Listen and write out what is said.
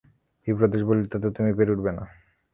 বিপ্রদাস বললে, তাতেও তুমি পেরে উঠবে না।